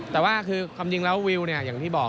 แต่ว่าคือความจริงว่าวิวอย่างที่บอก